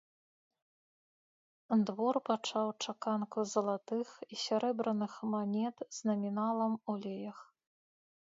Двор пачаў чаканку залатых і сярэбраных манет з наміналам у леях.